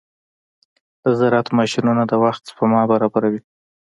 د زراعت ماشينونه د وخت سپما برابروي.